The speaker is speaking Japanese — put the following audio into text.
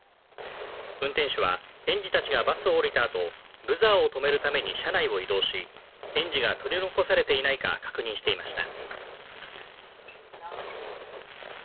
運転手は園児たちがバスを降りたあとブザーを止めるために車内を移動し園児が取り残されていないか確認していました。